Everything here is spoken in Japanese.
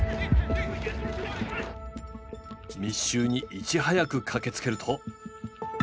密集にいち早く駆けつけると。